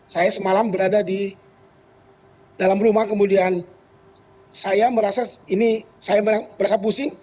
saya semalam berada di dalam rumah kemudian saya merasa ini saya merasa pusing